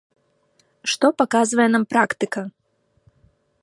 Што паказвае нам практыка?